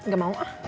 gak mau ah